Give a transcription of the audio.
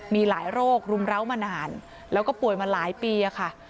มีหลายโรครุมร้าวมานานแล้วก็ป่วยมาหลายปีค่ะ